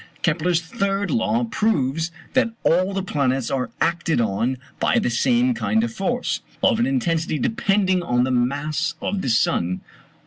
Kepler's third law proves that all the planets are acted on by the same kind of force; of an intensity depending on the mass of the sun.